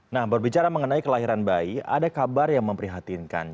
nah berbicara mengenai kelahiran bayi ada kabar yang memprihatinkan